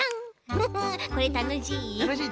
フフこれたのしい。